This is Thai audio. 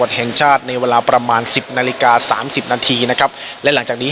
แห่งชาติในเวลาประมาณสิบนาฬิกาสามสิบนาทีนะครับและหลังจากนี้